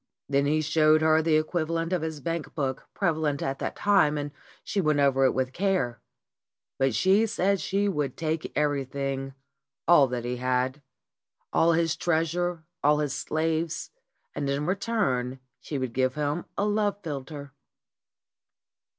Then he showed her the equivalent of his bank book prevalent at that time, and she went over it with care. But she said that she would take everything, all that he had; all his treasure, all his slaves, and in return she would give him a love philter.